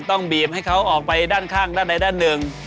ต้องบีบให้เขาออกไปด้านข้างด้านใดด้านหนึ่ง